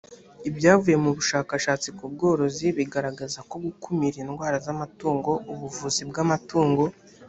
ibyavuye mu bushakashatsi ku bworozi biragaragaza ko gukumira indwara z’amatungo ubuvuzi bw amatungo